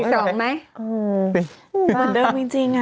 เหมือนเดิมจริงอ่ะ